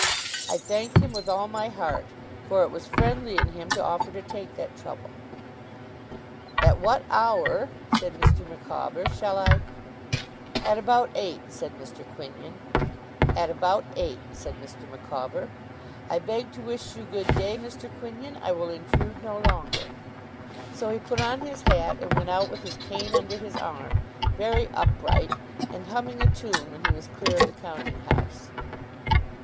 I thanked him with all my heart, for it was friendly in him to offer to take that trouble. 'At what hour,' said Mr. Micawber, 'shall I ' 'At about eight,' said Mr. Quinion. 'At about eight,' said Mr. Micawber. 'I beg to wish you good day, Mr. Quinion. I will intrude no longer.' So he put on his hat, and went out with his cane under his arm: very upright, and humming a tune when he was clear of the counting house.